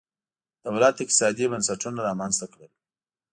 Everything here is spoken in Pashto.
دولت اقتصادي بنسټونه رامنځته کړل.